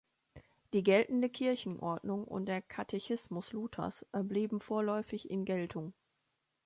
Die geltende Kirchenordnung und der Katechismus Luthers blieben vorläufig in Geltung.